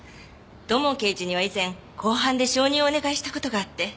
土門刑事には以前公判で証人をお願いした事があって。